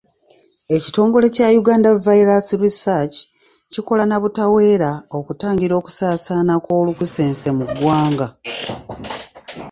Ekitongole kya Uganda Virus Research kikola na butaweera okutangira okusaasaana kw'olunkusense mu ggwanga.